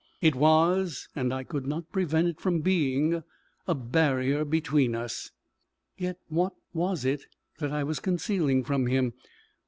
It was, and I could not prevent it from being, a barrier between us! Yet what was it I was concealing from him?